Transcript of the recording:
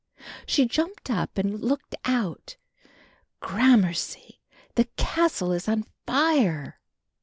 She jumped up and looked out. "Gramercy, the castle is on fire."